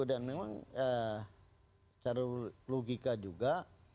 dan memang secara logika juga